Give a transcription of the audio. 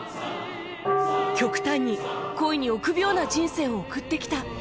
極端に恋に臆病な人生を送ってきた